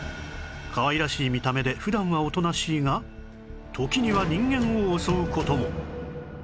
かわいらしい見た目で普段はおとなしいが時には人間を襲う事も